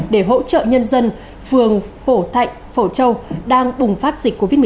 để hỗ trợ nhân dân phường phổ thạnh phổ châu đang bùng phát dịch covid một mươi chín